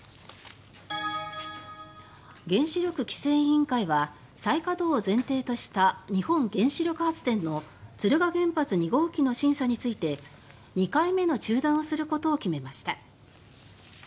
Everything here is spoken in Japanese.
原子力規制委員会は再稼働を前提とした日本原子力発電の敦賀原発２号機の審査について２回目の中断をすることを決めました。